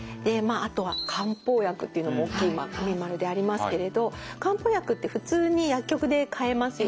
あとは「漢方薬」っていうのも大きい丸でありますけれど漢方薬って普通に薬局で買えますよね。